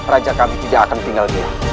raja kami tidak akan tinggal di sini